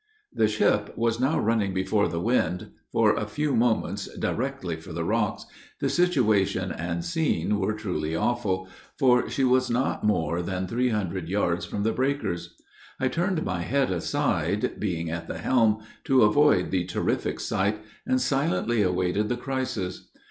The ship was now running before the wind, for a few moments, directly for the rocks; the situation and scene were truly awful, for she was not more than three hundred yards from the breakers. I turned my head aside being at the helm to avoid the terrific sight, and silently awaited the crisis.